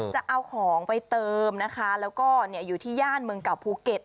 จะเอาของไปเติมนะคะแล้วก็อยู่ที่ย่านเมืองเก่าภูเก็ต